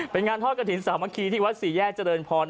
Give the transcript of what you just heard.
เป็นงานทอดกระถิ่นสามัคคีที่วัดสี่แยกเจริญพร